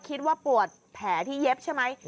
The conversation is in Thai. คิดว่าปวดแผลที่เย็บใช่ไหม